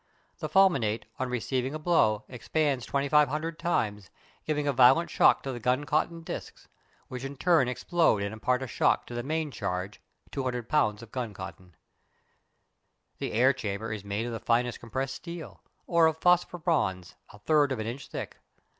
The fulminate, on receiving a blow, expands 2500 times, giving a violent shock to the gun cotton discs, which in turn explode and impart a shock to the main charge, 200 lbs. of gun cotton. The air chamber is made of the finest compressed steel, or of phosphor bronze, a third of an inch thick.